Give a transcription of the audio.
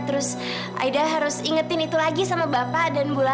terus aida harus ingetin itu lagi sama bapak dan bula